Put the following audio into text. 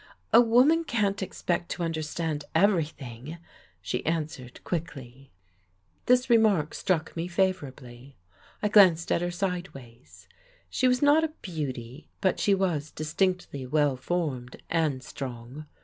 "A woman can't expect to understand everything," she answered quickly. This remark struck me favourably. I glanced at her sideways. She was not a beauty, but she was distinctly well formed and strong.